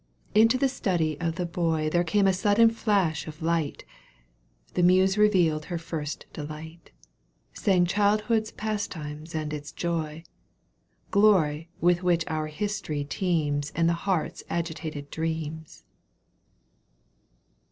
Into the study of the boy There came a sudden flash of light. The Muse revealed her first delight. Sang childhood's pastimes and its joy, Glory with which our history teems And the heart's agitated dreams, * St Petersburg, Boldino, Tsarskoe Selo, 1830 31.